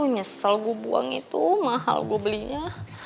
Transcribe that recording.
nyesel gue buang itu mahal gue belinya